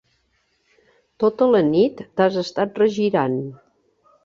Tota la nit t'has estat regirant.